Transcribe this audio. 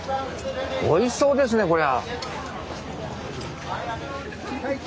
おいしそうですねこりゃ。